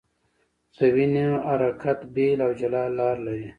د وینو حرکت بېل او جلا لار لري.